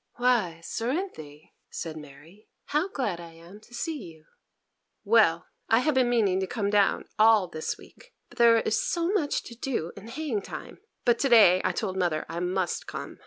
'Why, Cerinthy,' said Mary, 'how glad I am to see you!' 'Well!' said Cerinthy; 'I have been meaning to come down all this week, but there is so much to do in haying time; but to day I told mother I must come.